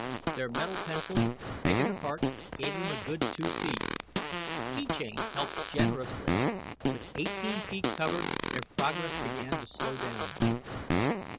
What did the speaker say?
Their metal pencils, taken apart, gave them a good two feet. Key chains helped generously. With eighteen feet covered, their progress began to slow down.